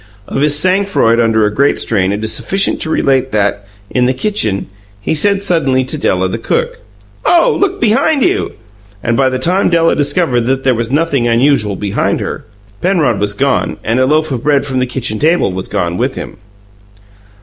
Of his sang froid under a great strain it is sufficient to relate that, in the kitchen, he said suddenly to Della, the cook, "Oh, look behind you!" and by the time Della discovered that there was nothing unusual behind her, Penrod was gone, and a loaf of bread from the kitchen table was gone with him.